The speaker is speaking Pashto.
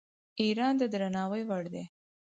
ایران د درناوي وړ دی.